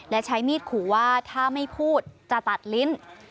และใช้มีดขู่ว่าถ้าไม่พูดจะตัดลิ้น